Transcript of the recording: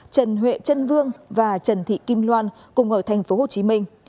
trần huệ trân vương và trần thị kim loan cùng ở thành phố hồ chí minh